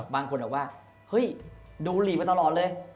บางคนบอกว่าเฮ้ยดูหลีมาตลอดเลย